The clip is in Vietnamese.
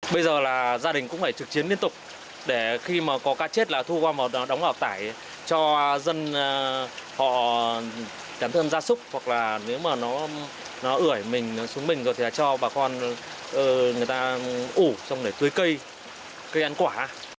bây giờ là gia đình cũng phải trực chiến liên tục để khi mà có cá chết là thu qua một đóng ảo tải cho dân họ đám thơm ra súc hoặc là nếu mà nó ửa mình xuống mình rồi thì là cho bà con người ta ủ xong để tưới cây cây ăn quả